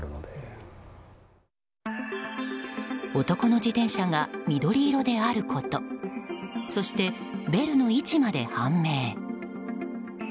男の自転車が緑色であることそしてベルの位置まで判明。